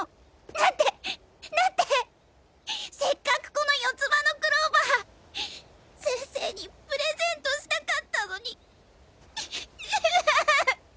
だってだってせっかくこの四つ葉のクローバー先生にプレゼントしたかったのに。